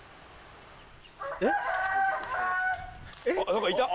何かいた？